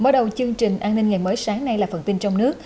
bắt đầu chương trình an ninh ngày mới sáng nay là phần tin trong nước